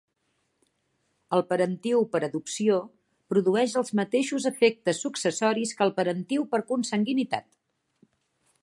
El parentiu per adopció produeix els mateixos efectes successoris que el parentiu per consanguinitat.